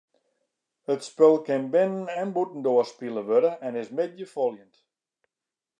It spul kin binnen- en bûtendoar spile wurde en is middeifoljend.